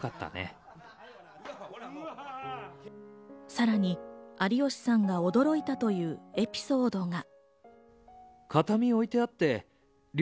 さらに有吉さんが驚いたというエピソードが。